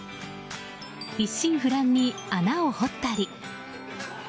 一心不乱に穴を掘ったり。